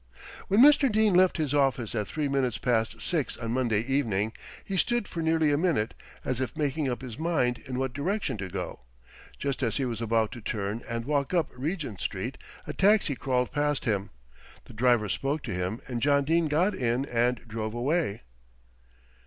"When Mr. Dene left his office at three minutes past six on Monday evening, he stood for nearly a minute, as if making up his mind in what direction to go. Just as he was about to turn and walk up Regent Street a taxi crawled past him. The driver spoke to him and John Dene got in and drove away."